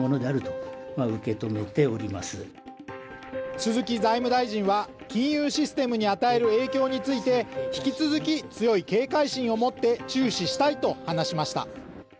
鈴木財務大臣は金融システムに与える影響について引き続き、強い警戒心を持って注視したいと話しました。